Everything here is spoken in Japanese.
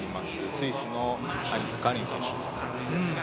スイスのカリン選手です。